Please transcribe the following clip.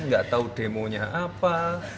enggak tahu demonya apa